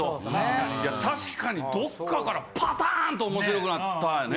確かにどっかからパターン！と面白くなったよね。